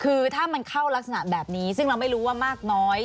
คือถ้ามันเข้ารักษณะแบบนี้ซึ่งเราไม่รู้ว่ามากน้อย